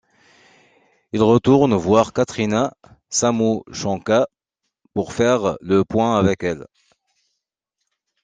Il retourne voir Katrina Samoushenka pour faire le point avec elle.